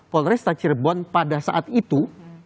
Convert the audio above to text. polres tachirbon pada saat itu